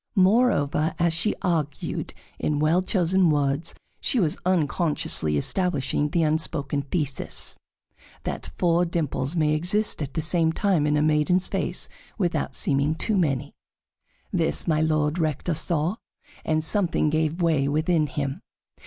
Moreover, as she argued in well chosen words, she was unconsciously establishing the unspoken thesis: That four dimples may exist at the same time in a maiden's face without seeming too many. This My Lord Rector saw, and something gave way within him.